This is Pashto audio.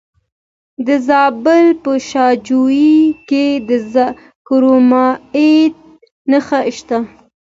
د زابل په شاجوی کې د کرومایټ نښې شته.